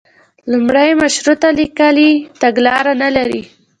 لومړی مشروطیت لیکلي تګلاره نه لري.